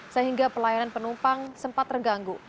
sehingga pelayanan penumpang sempat terganggu